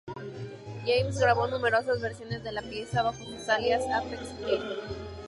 James grabó numerosas versiones de la pieza bajo su alias Aphex Twin.